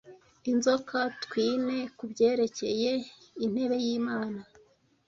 Inzoka-twine kubyerekeye intebe yImana;